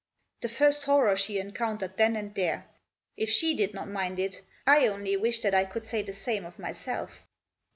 The first horror she encountered then and there. If she did not mind it — I only wish that I could say the same of myself!